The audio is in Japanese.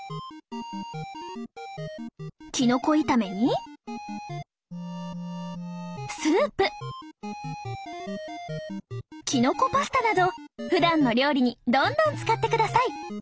きのこ炒めにスープきのこパスタなどふだんの料理にどんどん使ってください。